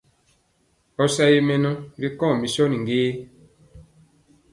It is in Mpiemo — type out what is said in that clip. Ɔ sa ye mɛnɔ ri kɔŋ mison gé?